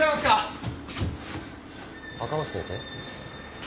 赤巻先生？